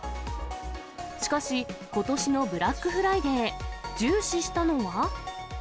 しかし、ことしのブラックフライデー、重視したのは。